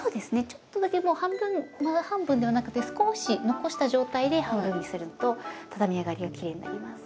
ちょっとだけ真半分ではなくて少し残した状態で半分にするとたたみ上がりがきれいになります。